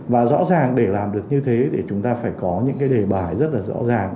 và rõ ràng để làm được như thế thì chúng ta phải có những cái đề bài rất là rõ ràng